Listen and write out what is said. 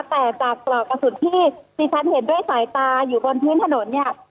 แต่จากปลอกกระสุนที่ที่ฉันเห็นด้วยสายตาอยู่บนพื้นถนนเนี่ย